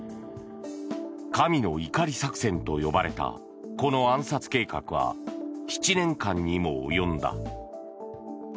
神の怒り作戦と呼ばれたこの暗殺計画は７年間にも及んだ。